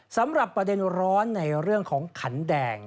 สำหรับประเด็นร้อนในเรื่องของขันแดง